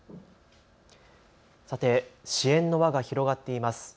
さて、支援の輪が広がっています。